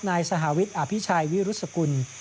นายสหวิทย์อภิชัยวิรุษกุล